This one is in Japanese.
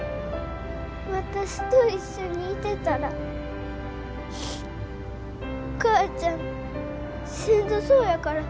私と一緒にいてたらお母ちゃんしんどそうやから。